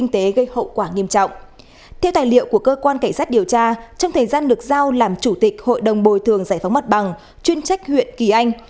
theo tài liệu của cơ quan cảnh sát điều tra trong thời gian được giao làm chủ tịch hội đồng bồi thường giải phóng mặt bằng chuyên trách huyện kỳ anh